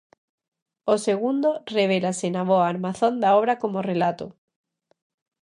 O segundo revélase na boa armazón da obra como relato.